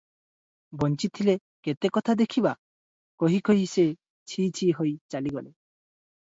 ବଞ୍ଚିଥିଲେ କେତେକଥା ଦେଖିବା- କହି କହି ସେ ଛି-ଛି ହୋଇ ଚାଲିଗଲେ ।